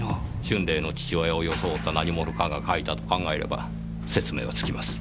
春麗の父親を装った何者かが書いたと考えれば説明はつきます。